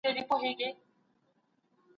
که سړی ورخ د اوښکو وتړي هم